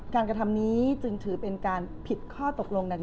กระทำนี้ถือเป็นการผิดค่าตกลง